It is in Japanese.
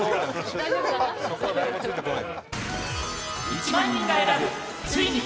伊達：そこは誰もついてこない。